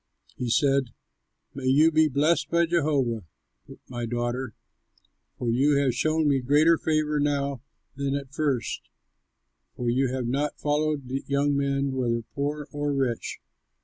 He said, "May you be blest by Jehovah, my daughter; for you have shown me greater favor now than at first, for you have not followed young men, whether poor or rich.